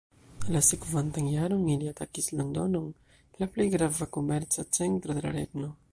La sekvantan jaron ili atakis Londonon, la plej grava komerca centro de la regno.